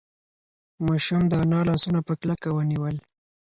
ماشوم د انا لاسونه په کلکه ونیول.